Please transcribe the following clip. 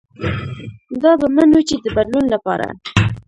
دا به منو چې د بدلون له پاره